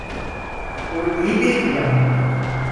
Bu iyi bir plan.